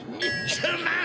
すまん。